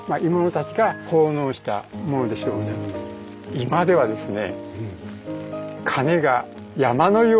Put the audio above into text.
今ではですね